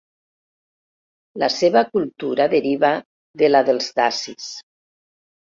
La seva cultura deriva de la dels dacis.